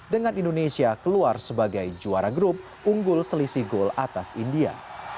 dengan indonesia keluar sebagai juara grup unggul selisih gol atas india